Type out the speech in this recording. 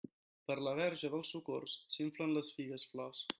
Per la Verge dels Socors, s'inflen les figues-flors.